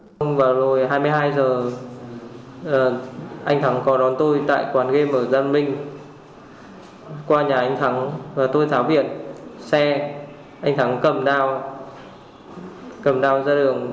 hôm vào rồi hai mươi hai h anh thắng có đón tôi tại quán game ở giang minh qua nhà anh thắng và tôi tháo biển xe anh thắng cầm đao cầm đao ra đường